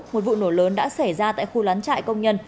một vụ nổ lớn đã xảy ra tại khu lán trại công nhân